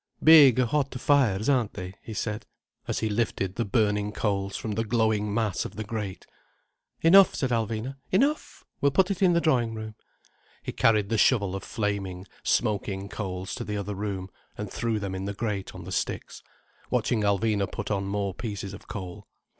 "Big, hot fires, aren't they?" he said, as he lifted the burning coals from the glowing mass of the grate. "Enough," said Alvina. "Enough! We'll put it in the drawing room." He carried the shovel of flaming, smoking coals to the other room, and threw them in the grate on the sticks, watching Alvina put on more pieces of coal.